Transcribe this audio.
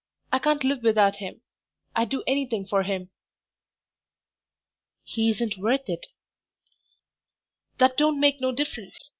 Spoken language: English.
I can't live without him... I'd do anything for him." "He isn't worth it." "That don't make no difference.